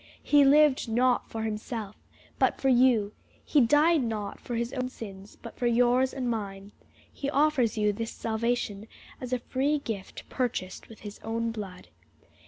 He lived not for himself, but for you; he died not for his own sins, but for yours and mine: he offers you this salvation as a free gift purchased with his own blood.